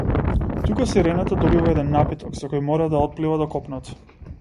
Тука сирената добива еден напиток со кој мора да отплива до копното.